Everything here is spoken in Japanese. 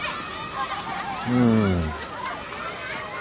うん。